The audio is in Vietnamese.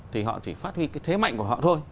thì họ chỉ phát huy cái thế mạnh